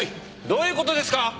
どういう事ですか？